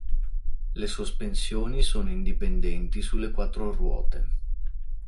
Le sospensioni sono indipendenti sulle quattro ruote.